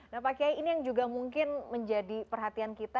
nah pak kiai ini yang juga mungkin menjadi perhatian kita